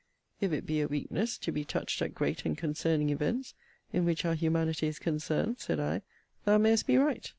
If it be a weakness, to be touched at great and concerning events, in which our humanity is concerned, said I, thou mayest be right.